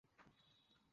বসুন, চাচা।